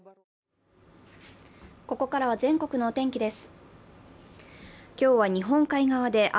ここからは全国のお天気です。